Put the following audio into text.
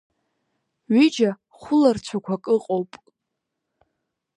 Ҩыџьа хәыларцәақәак ыҟоуп…